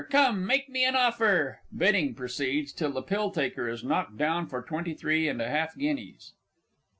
Come, make me an offer. (_Bidding proceeds till the "Pill taker" is knocked down for twenty three and a half guineas.